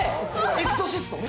『エクソシスト』？